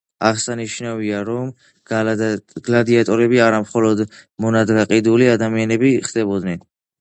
აღსანიშნავია, რომ გლადიატორები არა მხოლოდ მონად გაყიდულ ადამიანები ხდებოდნენ.